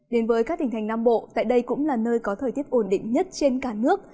đến với các tỉnh thành nam bộ tại đây cũng là nơi có thời tiết ổn định nhất trên cả nước